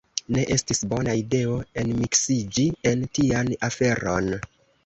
Ne estis bona ideo enmiksiĝi en tian aferon.